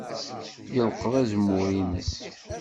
Yelqeḍ azemmur-nnes.